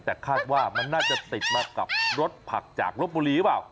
แต่คาดว่ามันน่าจะติดมากับรถผักจากลบบุรีหรือเปล่า